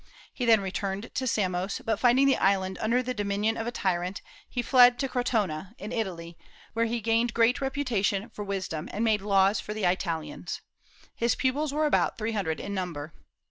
He then returned to Samos, but finding the island under the dominion of a tyrant he fled to Crotona, in Italy, where he gained great reputation for wisdom, and made laws for the Italians. His pupils were about three hundred in number.